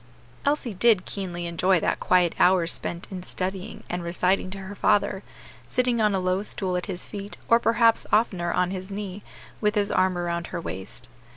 Elsie did keenly enjoy that quiet hour spent in studying and reciting to her father, sitting on a low stool at his feet, or perhaps oftener on his knee, with his arm around her waist.